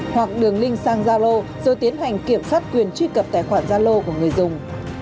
hoặc đường link sang zalo rồi tiến hành kiểm soát quyền truy cập tài khoản zalo của người dùng